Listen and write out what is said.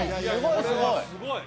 すごい！